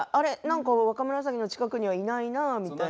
若紫の近くにいないなみたいな。